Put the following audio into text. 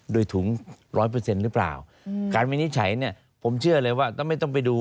โดยถุงร้อยเปอร์เซ็นต์หรือเปล่าการวินิจฉัยเนี่ยผมเชื่อเลยว่าต้องไม่ต้องไปดู